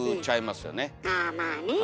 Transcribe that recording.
あぁまあね。